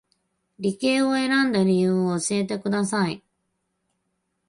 理系を選んだ理由を教えてください